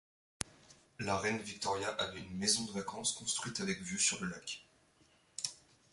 La reine Victoria avait une maison de vacances construite avec vue sur le lac.